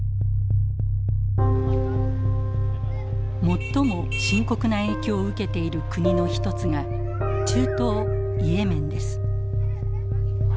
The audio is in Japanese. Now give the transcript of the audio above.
最も深刻な影響を受けている国の一つが中東イエメンです。